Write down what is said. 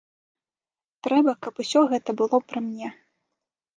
Трэба, каб усё гэта было пры мне.